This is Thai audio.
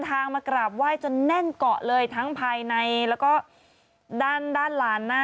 พรุ่งนี้คุณผู้ชมแห่กันไปแน่นอนนะที่วัดนะพรุ่งนี้เช้านะ